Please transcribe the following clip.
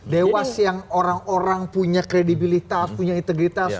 dewas yang orang orang punya kredibilitas punya integritas